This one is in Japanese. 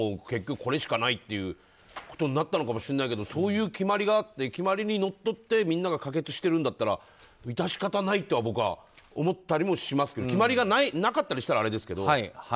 結局これしかないってことになったのかもしれないけどそういう決まりがあって決まりにのっとってみんなが可決してるんだったら致し方ないとは僕は思ったりもしますけど決まりがなかったりしたらあれですけど。